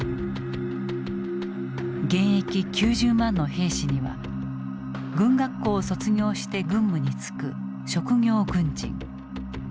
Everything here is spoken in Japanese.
現役９０万の兵士には軍学校を卒業して軍務に就く職業軍人。